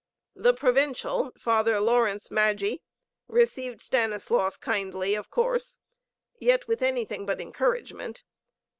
The Provincial, Father Laurence Maggi, received Stanislaus kindly, of course, yet with anything but encouragement.